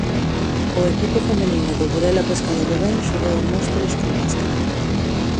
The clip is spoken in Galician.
O equipo feminino do Burela Pescados Rubén xogou en Móstoles con máscara.